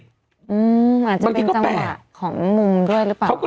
อืมอาจจะเป็นจังหวะของกูด้วยหรือเปล่า๓๐๐กว่า